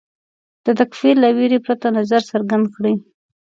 د تکفیر له وېرې پرته نظر څرګند کړي